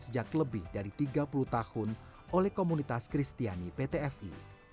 sejak lebih dari tiga puluh tahun oleh komunitas kristiani pt fi